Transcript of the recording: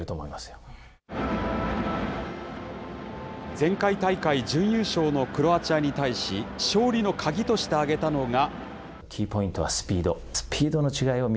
前回大会準優勝のクロアチアに対し、勝利の鍵として挙げたのが。